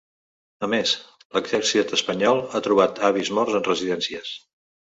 A més, l’exèrcit espanyol ha trobat avis morts en residències.